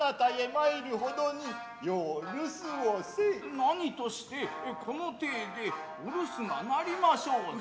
何としてこの体でお留守がなりましょうぞ。